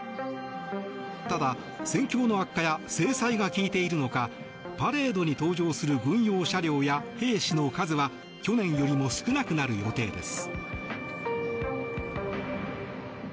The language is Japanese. ただ、戦況の悪化や制裁が効いているのかパレードに登場する軍用車両や兵士の数は去年よりも少なくなる予定です。